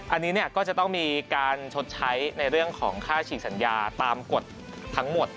อันนี้ก็จะต้องมีการชดใช้ในเรื่องของค่าฉีกสัญญาตามกฎทั้งหมด